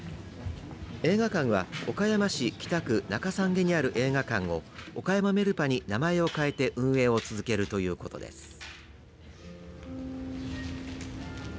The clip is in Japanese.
映画館は岡山市北区中山下にある映画館を岡山メルパに名前を変えて運営を続けるということです。